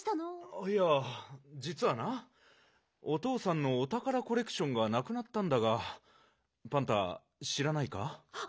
ああいやじつはなおとうさんのおたからコレクションがなくなったんだがパンタしらないか？